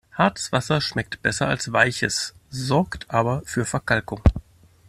Hartes Wasser schmeckt besser als weiches, sorgt aber für Verkalkung.